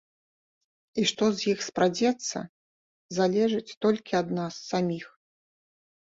І што з іх спрадзецца, залежыць толькі ад нас саміх.